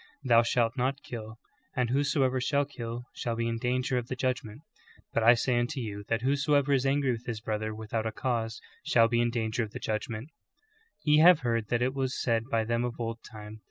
Thou shalt not kill ; and whosoever shall kill shall be in danger of the judgment: But I say unto you tliat whosoever is angry with his brother without a cause shall be in danger of the judg ment: =^ Ye have heard that it was said by them of old time.